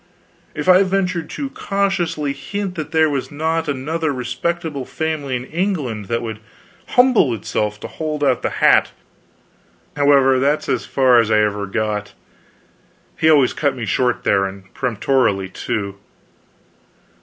If I ventured to cautiously hint that there was not another respectable family in England that would humble itself to hold out the hat however, that is as far as I ever got; he always cut me short there, and peremptorily, too.